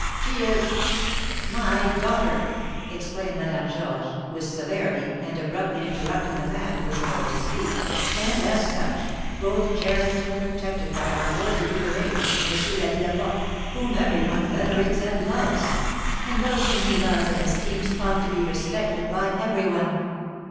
"She is " "My daughter!" exclaimed Madame Georges, with severity, and abruptly interrupting the man who was about to speak, "and, as such, both cherished and protected by our worthy curé, M. l'Abbé Laporte, whom every one venerates and loves; and those whom he loves and esteems ought to be respected by every one!"